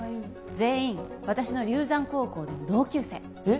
全員私の龍山高校での同級生えっ？